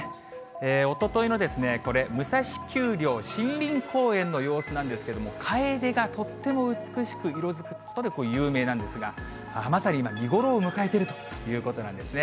おとといのこれ、武蔵丘陵森林公園の様子なんですけども、カエデがとっても美しく色づくことで有名なんですが、まさに今、見頃を迎えているということなんですね。